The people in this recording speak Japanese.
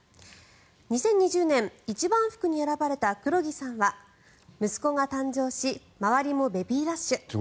２０２０年一番福に選ばれた黒木さんは息子が誕生し周りもベビーラッシュ。